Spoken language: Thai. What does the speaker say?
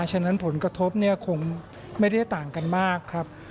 ฉะนั้นผลกระทบเนี่ยคงไม่ได้ต่างกันมากครับ